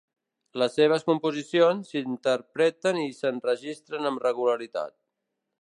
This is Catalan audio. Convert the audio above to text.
Les seves composicions s'interpreten i s'enregistren amb regularitat.